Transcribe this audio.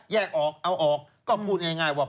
แยกออกเอาออกก็พูดง่ายว่า